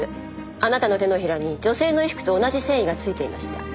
あなたの手のひらに女性の衣服と同じ繊維がついていました。